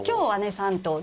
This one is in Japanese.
３頭。